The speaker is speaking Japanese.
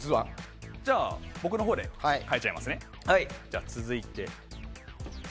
僕のほうで、変えちゃいますね。